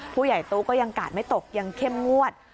ผู้ใหญ่ตู้ก็ยังกาดไม่ตกยังเข้มงวด